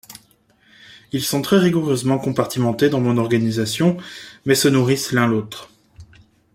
Ils sont très rigoureusement compartimentés dans mon organisation mais se nourrissent l'un l'autre.